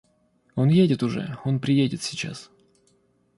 Он едет уже, он приедет сейчас.